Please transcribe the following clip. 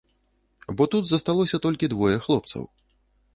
Бо тут засталося толькі двое хлопцаў.